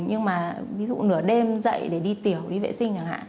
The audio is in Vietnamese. nhưng mà ví dụ nửa đêm dậy để đi tiểu đi vệ sinh chẳng hạn